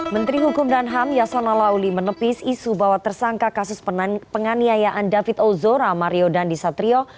menteri hukum dan ham yasona lauli menepis isu bahwa tersangka kasus penganiayaan david ozora mario dandisatrio